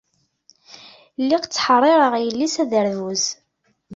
Lliɣ ttḥeṛṛiṛeɣ yelli s aderbuz.